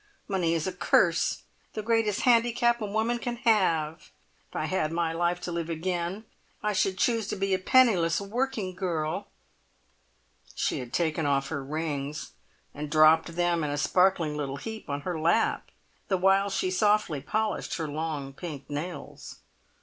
Money is a curse. The greatest handicap a woman can have. If I had my life to live again, I should choose to be a penniless working girl!" She had taken off her rings and dropped them in a sparkling little heap on her lap, the while she softly polished her long pink nails.